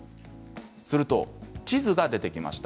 すると地図が出てきました。